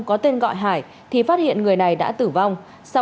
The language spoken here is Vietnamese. có tên gọi hải thì phát hiện người này đã tử vong